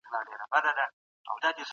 ایا ملي بڼوال وچ توت ساتي؟